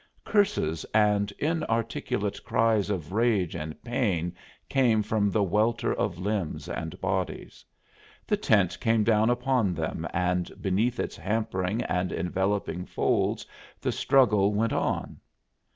Curses and inarticulate cries of rage and pain came from the welter of limbs and bodies; the tent came down upon them and beneath its hampering and enveloping folds the struggle went on.